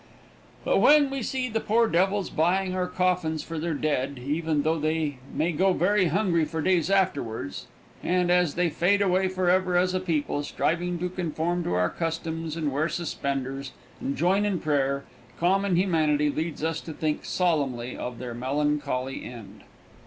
But when we see the poor devils buying our coffins for their dead, even though they may go very hungry for days afterwards, and, as they fade away forever as a people, striving to conform to our customs and wear suspenders and join in prayer, common humanity leads us to think solemnly of their melancholy end.